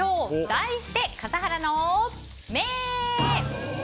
題して、笠原の眼。